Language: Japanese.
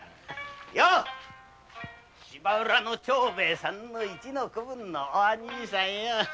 よう芝浦の長兵衛さんの一の子分のお兄いさんよ。